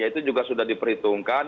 itu juga sudah diperhitungkan